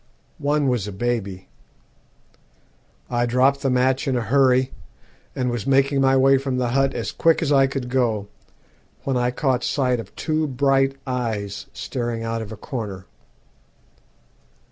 One was a baby. I dropped the match in a hurry, and was making my way from the hut as quick as I could go, when I caught sight of two bright eyes staring out of a corner.